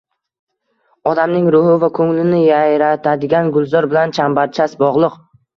– odamning ruhi va ko’nglini yayratadigan gulzor bilan chambarchas bog’liq.